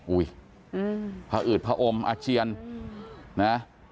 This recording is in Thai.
อุ๊ยพออืดพออมอาเจียน